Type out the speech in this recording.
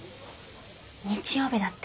日曜日だって。